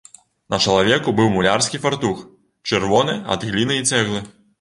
На чалавеку быў мулярскі фартух, чырвоны ад гліны і цэглы.